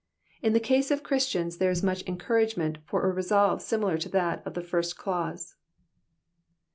In the case of Christians there is much encourage ment for a resolve similar to that of the first clause.